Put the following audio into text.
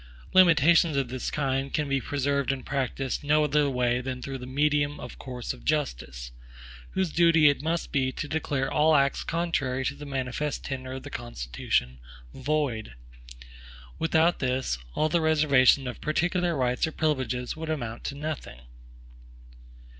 Limitations of this kind can be preserved in practice no other way than through the medium of courts of justice, whose duty it must be to declare all acts contrary to the manifest tenor of the Constitution void. Without this, all the reservations of particular rights or privileges would amount to nothing.